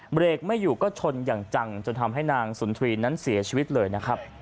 เบรกไม่อยู่ก็ชนอย่างจังจนทำให้นางสุนทรีย์นั้นเสียชีวิตเลยนะครับ